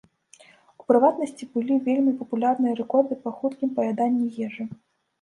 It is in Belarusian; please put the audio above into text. У прыватнасці, былі вельмі папулярныя рэкорды па хуткім паяданні ежы.